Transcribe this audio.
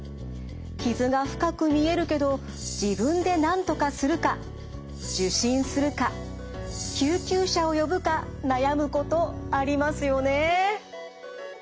傷が深く見えるけど自分でなんとかするか受診するか救急車を呼ぶか悩むことありますよね。